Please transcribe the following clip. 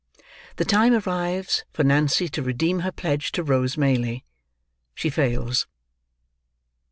THE TIME ARRIVES FOR NANCY TO REDEEM HER PLEDGE TO ROSE MAYLIE. SHE FAILS.